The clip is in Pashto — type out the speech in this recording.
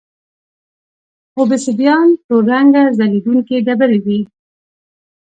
اوبسیدیان تور رنګه ځلېدونکې ډبرې وې